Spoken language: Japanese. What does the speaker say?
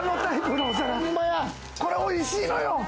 これ、おいしいのよ！